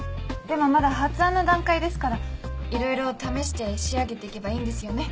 でもまだ発案の段階ですからいろいろ試して仕上げていけばいいんですよね？